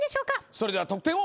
それでは得点を。